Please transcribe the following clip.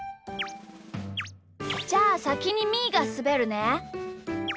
じゃあさきにみーがすべるね。